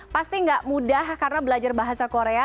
pasti nggak mudah karena belajar bahasa korea